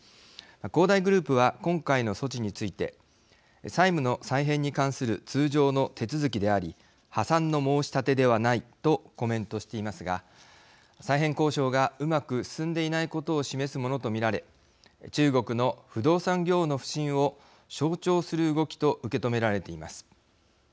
恒大グループは今回の措置について債務の再編に関する通常の手続きであり破産の申し立てではないとコメントしていますが再編交渉がうまく進んでいないことを示すものと見られ中国の不動産業の不振を象徴する動きと受け止められています。